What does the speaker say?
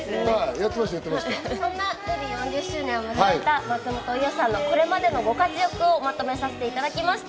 そんなデビュー４０周年を迎えた松本伊代さんのこれまでのご活躍をまとめさせていただきました。